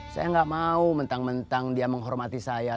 saya nggak mau mentang mentang dia menghormati saya